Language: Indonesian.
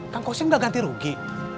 kang kosen gak ganti rugi